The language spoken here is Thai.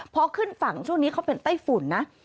พอขึ้นฝั่งช่วงนี้เขาเป็นไต้ฝุ่นนะ